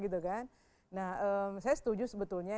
saya setuju sebetulnya